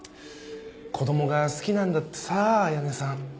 子供が好きなんだってさ綾音さん。